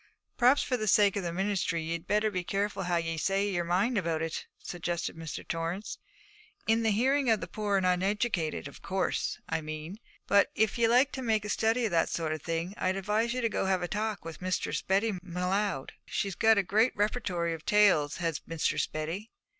'Perhaps for the sake of the ministry ye'd better be careful how ye say your mind about it,' suggested Mr. Torrance; 'in the hearing of the poor and uneducated, of course, I mean. But if ye like to make a study o' that sort of thing, I'd advise ye to go and have a talk with Mistress Betty M'Leod. She's got a great repertory of tales, has Mistress Betty.'